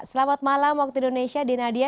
selamat malam waktu indonesia denadia